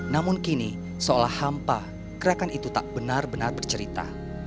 namun kini seolah hampa gerakan itu tak benar benar bercerita